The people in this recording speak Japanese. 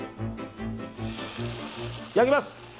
焼きます。